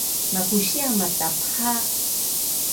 makusia matapha